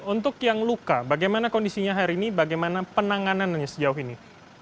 untuk yang luka bagaimana kondisinya hari ini bagaimana penanganannya sejauh ini